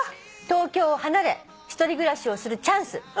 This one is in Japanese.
「東京を離れ１人暮らしをするチャンス」